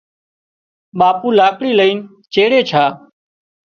ٻاپو لاڪڙي لئينش چيڙي ڇا